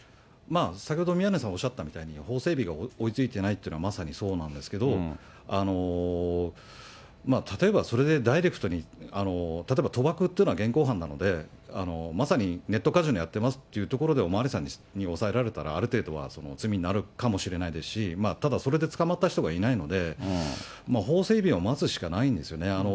先ほど宮根さんおっしゃったみたいに、法整備が追いついてないというのは、まさにそうなんですけれども、例えばそれでダイレクトに、例えば賭博というのは現行犯なので、まさにネットカジノやってますというところで、お巡りさんに押さえられたら、ある程度は罪になるかもしれないですし、ただそれで捕まった人がいないので、法整備を待つしかないんですよね。